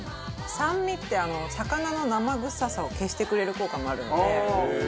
酸味って魚の生臭さを消してくれる効果があるので。